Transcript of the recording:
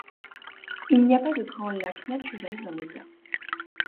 Il n'y a pas de grands lacs naturels dans l’État.